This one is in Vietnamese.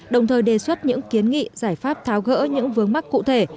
đồng thời đề xuất những kiến nghị giải pháp tháo gỡ những vướng mắc cụ thể